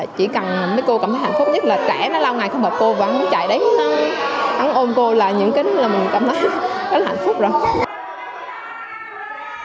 chỉ cần mấy cô cảm thấy hạnh phúc nhất là trẻ nó lao ngài không hợp cô và nó chạy đến nó ôm cô là những cái là mình cảm thấy rất là hạnh phúc rồi